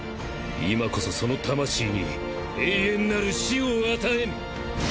今こそその魂に永遠なる死を与えん！